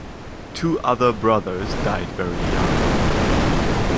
Two other brothers died very young.